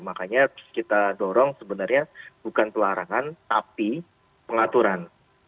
makanya kita dorong sebenarnya bukan pelarangan tapi pengaturan